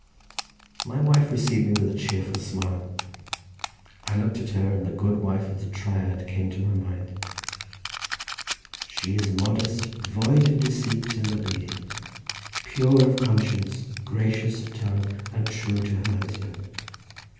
My wife received me with a cheerful smile. I looked at her, and the good wife of the Triad came to my mind. "She is modest, void of deceit, and obedient. "Pure of conscience, gracious of tongue, and true to her husband.